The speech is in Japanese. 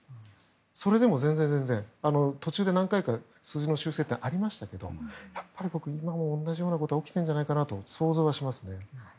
それでも全然途中で何回か数字の修正ってありましたけどやっぱり国民は同じことが起きてるんじゃないかなと想像はしますね。